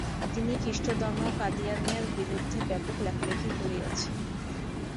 তিনি খ্রিস্টধর্ম ও কাদিয়ানীদের বিরুদ্ধে ব্যাপক লেখালেখি করেছেন।